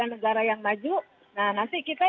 negara yang maju nah nanti kita